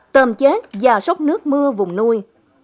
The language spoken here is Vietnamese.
tôm chết giao sóc nước mưa vùng nuôi